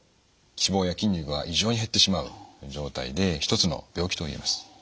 脂肪や筋肉が異常に減ってしまう状態でひとつの病気と言えます。